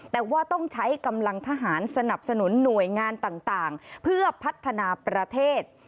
แต่ว่าต้องใช้กำลังทหารสนับสนุนหน่วยงานต่างเพื่อพัฒนาประเทศ